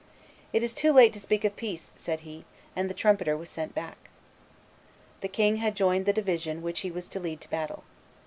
"It is too late to speak of peace," said he; and the trumpeter was sent back. The king had joined the division which he was to lead to battle.